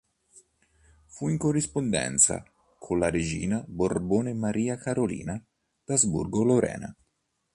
Fu in corrispondenza con la regina Borbone Maria Carolina d'Asburgo-Lorena.